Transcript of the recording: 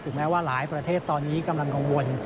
แม้ว่าหลายประเทศตอนนี้กำลังกังวล